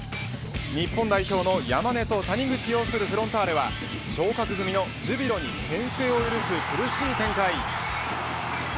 日本代表の山根と谷口擁するフロンターレは昇格組のジュビロに先制を許す苦しい展開。